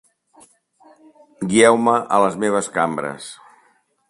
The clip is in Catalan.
Guieu-me a les meves cambres.